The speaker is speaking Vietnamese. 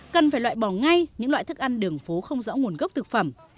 cần phải loại bỏ ngay những loại thức ăn đường phố không rõ nguồn gốc thực phẩm